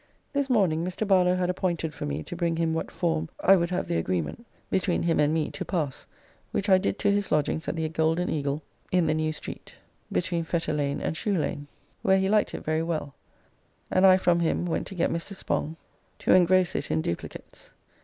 This morning Mr. Barlow had appointed for me to bring him what form I would have the agreement between him and me to pass, which I did to his lodgings at the Golden Eagle in the new street [Still retains the name New Street.] between Fetter Lane and Shoe Lane, where he liked it very well, and I from him went to get Mr. Spong to engross it in duplicates.